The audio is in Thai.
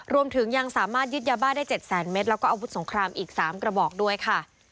รวมถึงยังสามารถยึดยาบ้าได้๗๐๐เมตรแล้วก็อาวุธสงครามอีก๓กระบอกด้วยค่ะ